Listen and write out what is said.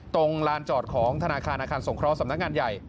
ตรงลานจอดของธนาคารอาคารสงเคราะห์สำนักงานใหญ่